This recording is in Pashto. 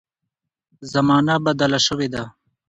زمانه بدله شوې ده.